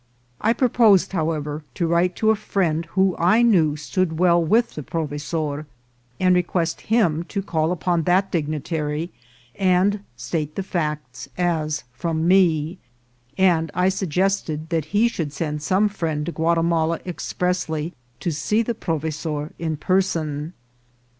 I proposed, however, to write to a friend who I knew stood well with the provesor, and request him to call upon that dignitary and state the facts as from me ; and I suggested that he should send some friend to Guati mala expressly to see the provesor in person.